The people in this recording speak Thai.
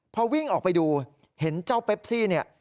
พอวิ่งออกไปดูเห็นเจ้าเปปซี่เนี่ย